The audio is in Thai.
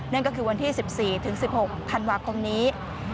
นั่นก็คือวันที่๑๔ถึง๑๖ธันวาคมนี้